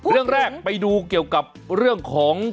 เรื่องแรกไปดูเกี่ยวกับเรื่องของ